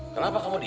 kenapa kamu diet